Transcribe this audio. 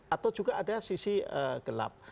atau juga ada sisi gelap